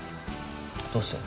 どうして？